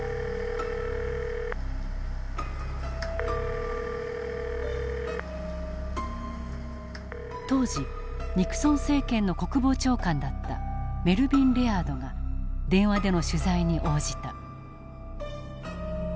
☎当時ニクソン政権の国防長官だったメルビン・レアードが電話での取材に応じた。